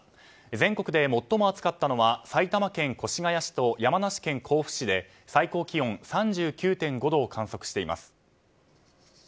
全国で最も暑かったのは埼玉県越谷市と山梨県甲府市で最高気温３９．５度を観測しています。